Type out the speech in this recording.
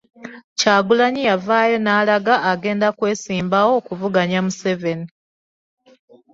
Kyagulanyi yavaayo n'allaga agenda kwesimbawo okuvuganya Museveni.